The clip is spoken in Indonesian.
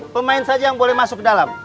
pemain saja yang boleh masuk ke dalam